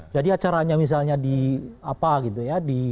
jadi acaranya misalnya di